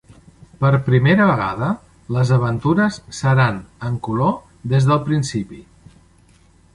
Per primera vegada, les aventures seran en color des del principi.